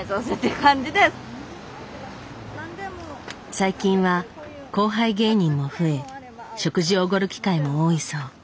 最近は後輩芸人も増え食事をおごる機会も多いそう。